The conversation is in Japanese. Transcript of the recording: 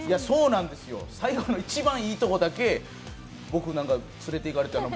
そうなんですよ、最後の一番いいとこだけ、連れていかれて。